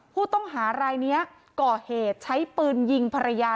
ผู้ต้องหารายนี้ก่อเหตุใช้ปืนยิงภรรยา